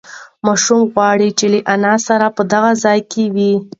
ماشوم غواړي چې له انا سره په دغه ځای کې وي.